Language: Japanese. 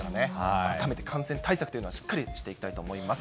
改めて感染対策というのはしっかりしていきたいと思います。